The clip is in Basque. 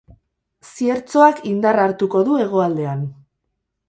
Ziertzoak indarra hartuko du hegoaldean.